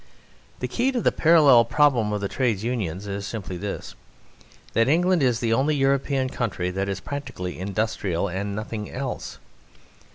The key to the parallel problem of the Trades Unions is simply this that England is the only European country that is practically industrial and nothing else.